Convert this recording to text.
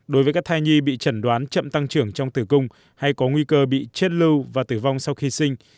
đối với các thai nhi bị chẩn đoán chậm tăng trưởng trong tử cung hay có nguy cơ bị chết lưu và tử vong sau khi sinh